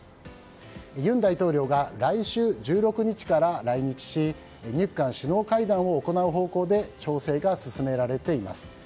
尹大統領が来週１６日から来日し日韓首脳会談を行う方向で調整が進められています。